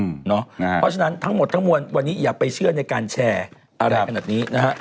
เพราะฉะนั้นทั้งหมดทั้งมวลวันนี้อย่าไปเชื่อในการแชร์อะไรขนาดนี้นะฮะ